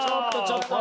ちょっと。